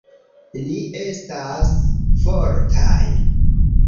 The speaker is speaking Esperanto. Ni estas fortaj